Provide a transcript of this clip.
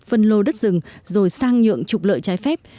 phân lô đất rừng rồi sang nhượng trục lợi trái phép